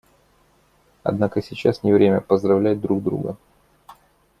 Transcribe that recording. Однако сейчас не время поздравлять друг друга.